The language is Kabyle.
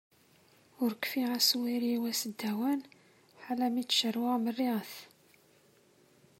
Ur kfiɣ aswir-iw aseddawan ḥala mi tt-cerweɣ merriɣet.